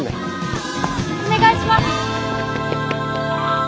お願いします！